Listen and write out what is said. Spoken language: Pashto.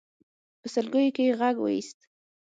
په سلګيو کې يې غږ واېست.